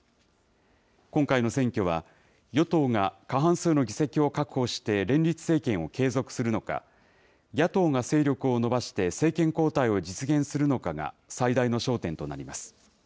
今回の選挙は、与党が過半数の議席を確保して連立政権を継続するのか、野党が勢力を伸ばして政権交代を実現するのかが最大の焦点となります。